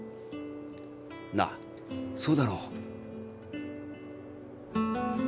なあそうだろ？